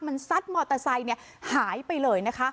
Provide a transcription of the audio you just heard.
มันสัดมอเตอร์ไซด์เนี้ยหายไปเลยนะคะ